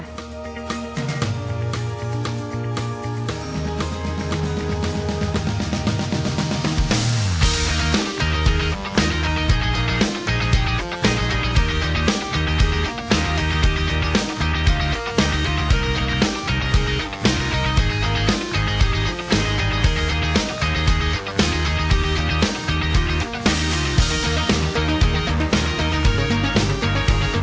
นี่ก็เป็นหนึ่งของดีของอำเภอโพธารามนี้นะครับผมผสมผสานร่วมกันรสชาติถือว่ากัดจ้านใช้ได้ครับผม